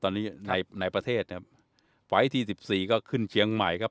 ตอนนี้ในในประเทศนะครับไฟล์ที่สิบสี่ก็ขึ้นเชียงใหม่ครับ